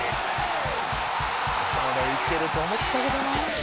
「これいけると思ったけどな！」